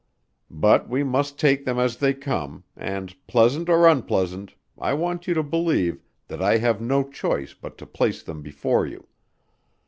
But we must take them as they come, and pleasant or unpleasant, I want you to believe that I have no choice but to place them before you.